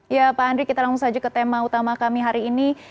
ya pak andri kita langsung saja ke tema utama kami hari ini